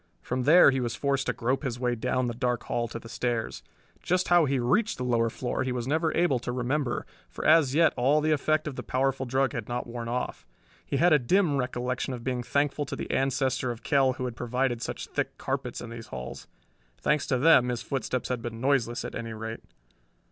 From there he was forced to grope his way down the dark hall to the stairs. Just how he reached the lower floor he was never able to remember, for as yet all the effect of the powerful drug had not worn off. He had a dim recollection of being thankful to the ancestor of Kell who had provided such thick carpets in these halls. Thanks to them his footsteps had been noiseless, at any rate.